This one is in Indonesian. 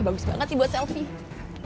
bagus banget sih buat selfie